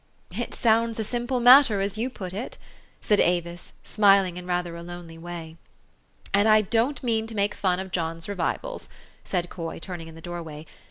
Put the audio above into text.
It sounds a simple matter, as you put it," said Avis, smiling in rather a lonely way. "And I don't mean to make fun of John's revivals," said Coy, turning in the doorway.